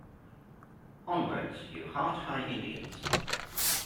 Onward you Hart High Indians.